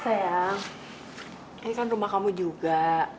sayang ini kan rumah kamu juga